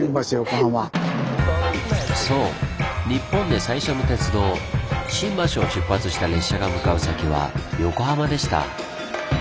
そう日本で最初の鉄道新橋を出発した列車が向かう先は横浜でした。